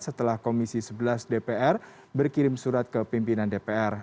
setelah komisi sebelas dpr berkirim surat ke pimpinan dpr